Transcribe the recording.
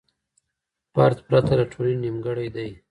فرد پرته له ټولني نیمګړی دی.